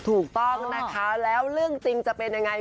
ถูกต้องนะคะแล้วเรื่องจริงจะเป็นยังไง